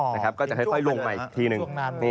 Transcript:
สามารถค่อยลงไปอีกทีหนึ่ง